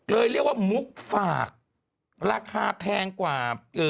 เรียกว่ามุกฝากราคาแพงกว่า